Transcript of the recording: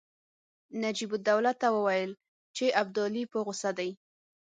نجیب الدوله ته وویل چې ابدالي په غوسه دی.